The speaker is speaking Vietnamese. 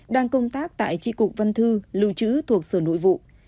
đang công tác tại tri cục văn thư lưu trữ thuộc sở nội vụ